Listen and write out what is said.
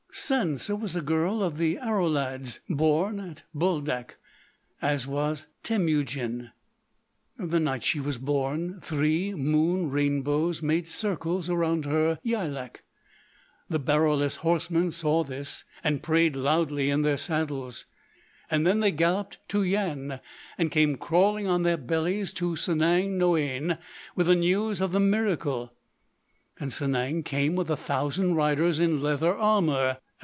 "Sansa was a girl of the Aroulads, born at Buldak—as was Temujin. The night she was born three moon rainbows made circles around her Yaïlak. The Baroulass horsemen saw this and prayed loudly in their saddles. Then they galloped to Yian and came crawling on their bellies to Sanang Noïane with the news of the miracle. And Sanang came with a thousand riders in leather armour.